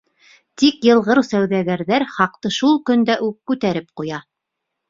Тик йылғыр сауҙагәрҙәр хаҡты шул көндә үк күтәреп ҡуя.